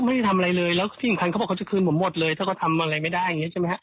เขาไม่ได้ทำอะไรเลยแล้วที่อำคัญเขาว่าจะคืนผมหมดเลยถ้าทำอะไรไม่ได้